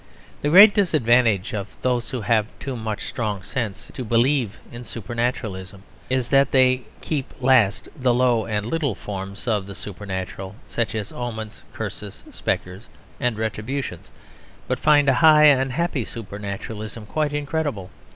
The great disadvantage of those who have too much strong sense to believe in supernaturalism is that they keep last the low and little forms of the supernatural, such as omens, curses, spectres, and retributions, but find a high and happy supernaturalism quite incredible.